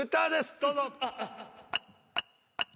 どうぞ。